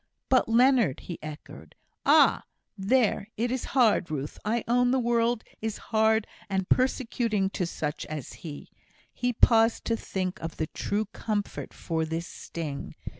"But Leonard," he echoed. "Ah! there it is hard, Ruth. I own the world is hard and persecuting to such as he." He paused to think of the true comfort for this sting.